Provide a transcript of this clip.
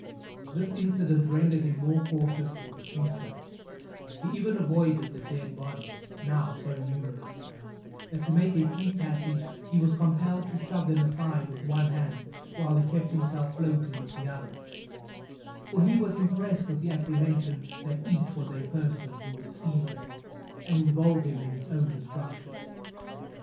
This incident rendered him more cautious for the future; he even avoided the dead bodies, now so numerous, that to make a free passage, he was compelled to shove them aside with one hand, while he kept himself floating with the other; for he was impressed with the apprehension, that each was a person who would seize him, and involve him in his own destruction.